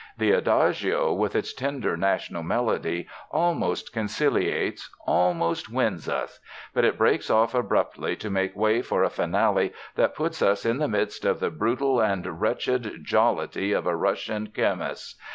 "The Adagio, with its tender national melody, almost conciliates, almost wins us. But it breaks off abruptly to make way for a finale that puts us in the midst of the brutal and wretched jollity of a Russian kermess.